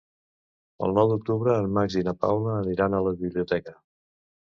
El nou d'octubre en Max i na Paula aniran a la biblioteca.